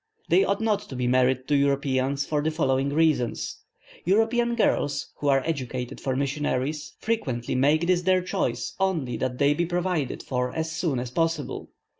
They ought not to be married to Europeans for the following reasons: European girls who are educated for missionaries frequently make this their choice only that they be provided for as soon as possible.